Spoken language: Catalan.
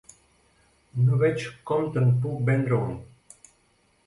No veig com te'n puc vendre un.